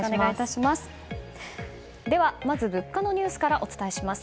では、まず物価のニュースからお伝えします。